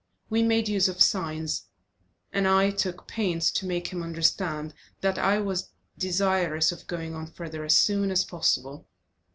We made use of signs, and I took pains to make him understand that I was desirous of going on further as soon as possible.